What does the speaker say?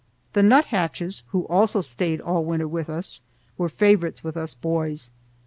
The nuthatches, who also stayed all winter with us, were favorites with us boys.